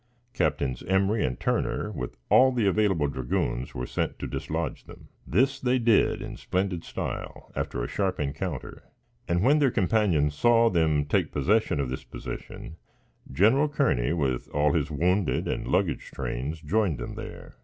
Captains Emery and Turner, with all the available dragoons, were sent to dislodge them. This they did in splendid style, after a sharp encounter, and when their companions saw them take possession of this position, General Kearney, with all his wounded and luggage trains, joined them there.